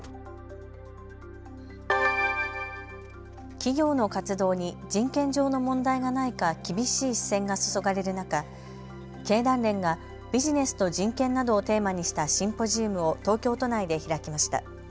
企業の活動に人権上の問題がないか厳しい視線が注がれる中、経団連がビジネスと人権などをテーマにしたシンポジウムを東京都内で開きました。